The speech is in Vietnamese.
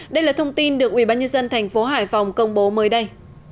đây là thông tin được ubnd tp hải phòng công bố mới đây